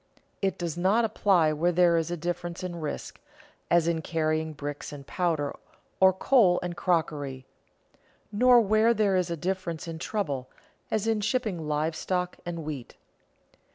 It does not apply where there is a difference in risk, as in carrying bricks and powder, or coal and crockery; nor where there is a difference in trouble, as in shipping live stock and wheat.